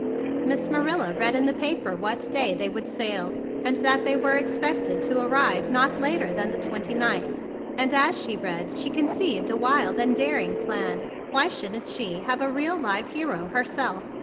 Miss Marilla read in the paper what day they would sail, and that they were expected to arrive not later than the twenty ninth; and, as she read, she con¬ ceived a wild and daring plan. Why should not she have a real, live hero her¬ self?